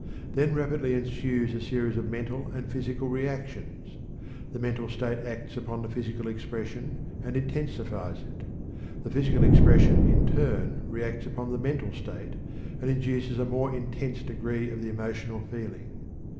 Then rapidly ensues a series of mental and physical reactions. The mental state acts upon the physical expression and intensifies it. The physical expression in turn reacts upon the mental state and induces a more intense degree of the emotional feeling.